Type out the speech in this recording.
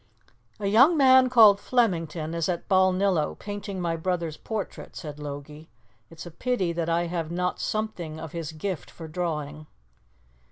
"A young man called Flemington is at Balnillo painting my brother's portrait," said Logie. "It's a pity that I have not something of his gift for drawing."